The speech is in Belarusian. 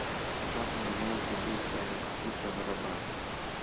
Сучасны варыянт біблейскага хітрага раба.